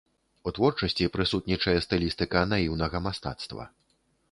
У творчасці прысутнічае стылістыка наіўнага мастацтва.